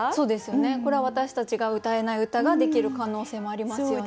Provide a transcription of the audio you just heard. これは私たちがうたえない歌ができる可能性もありますよね。